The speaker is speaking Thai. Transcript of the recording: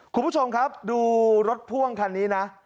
คุณผู้ชมครับดูรถพ่วงคันนี้นะ